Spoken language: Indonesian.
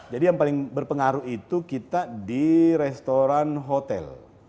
jadi yang paling berpengaruh itu kita di restoran hotel